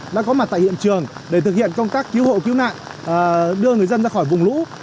đã có mặt tại hiện trường để thực hiện công tác cứu hộ cứu nạn đưa người dân ra khỏi vùng lũ